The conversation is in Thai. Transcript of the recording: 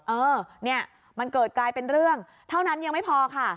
เออเนี่ยมันเกิดกลายเป็นเรื่องเท่านั้นยังไม่พอค่ะ